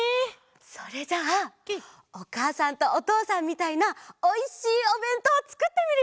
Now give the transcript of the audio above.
それじゃあおかあさんとおとうさんみたいなおいしいおべんとうつくってみるよ！